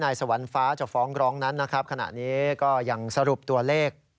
สวรรค์ฟ้าจะฟ้องร้องนั้นนะครับขณะนี้ก็ยังสรุปตัวเลข